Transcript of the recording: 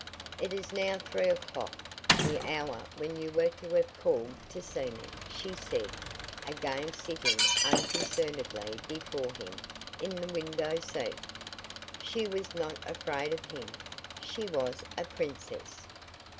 "It is now three o'clock the hour when you were to have called to see me," she said, again sitting unconcernedly before him in the window seat. She was not afraid of him. She was a princess.